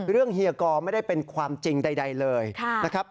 เฮียกอไม่ได้เป็นความจริงใดเลยนะครับ